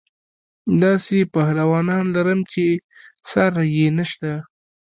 داسې پهلوانان لرم چې ساری یې نشته.